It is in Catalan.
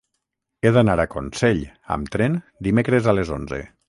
He d'anar a Consell amb tren dimecres a les onze.